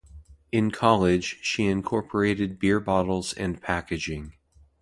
In college, she incorporated beer bottles and packaging.